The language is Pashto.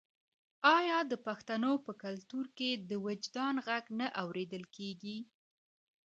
آیا د پښتنو په کلتور کې د وجدان غږ نه اوریدل کیږي؟